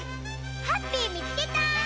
ハッピーみつけた！